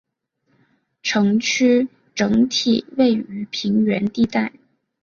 城区整体位于平原地带。